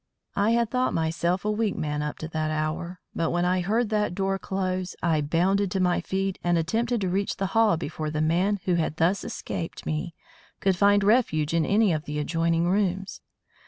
I had thought myself a weak man up to that hour; but when I heard that door close, I bounded to my feet and attempted to reach the hall before the man who had thus escaped me could find refuge in any of the adjoining rooms.